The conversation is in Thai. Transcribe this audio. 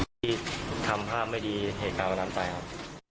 ที่ทำมาไม่ดีเหตุกล้างของดามใจครับ